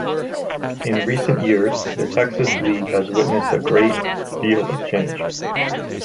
In recent years, the Texas League has witnessed a great deal of change.